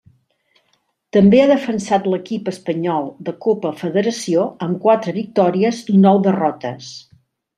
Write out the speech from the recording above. També ha defensat l'equip espanyol de Copa Federació amb quatre victòries i nou derrotes.